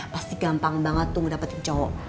pasti gampang banget tuh mendapatkan cowok